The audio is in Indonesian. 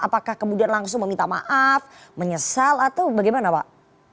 apakah kemudian langsung meminta maaf menyesal atau bagaimana pak